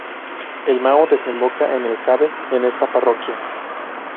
El Mao desemboca en el Cabe en esta parroquia.